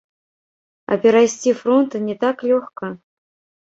А перайсці фронт не так лёгка.